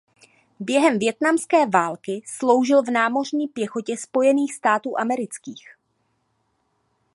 Během vietnamské války sloužil v Námořní pěchotě Spojených států amerických.